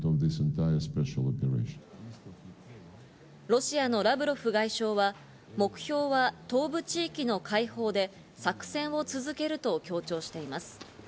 ロシアのラブロフ外相は、目標は東部地域の解放で作戦を続けると強調しています。